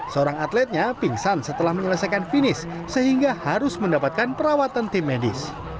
seorang atletnya pingsan setelah menyelesaikan finish sehingga harus mendapatkan perawatan tim medis